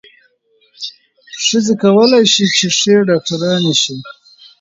ښځې کولای شي چې ښې ډاکټرانې شي.